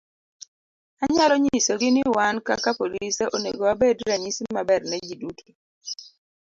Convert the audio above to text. Anyalo nyisogi ni wan kaka polise onego wabed ranyisi maber ne ji duto.